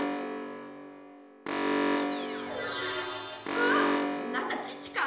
ああなんだチッチか。